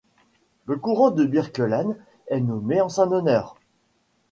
Le courant de Birkeland est nommé en son honneur.